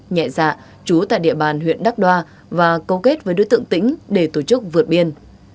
nhẹ dạ chú tại địa bàn huyện đắk đoa và câu kết với đối tượng tĩnh để tổ chức vượt biên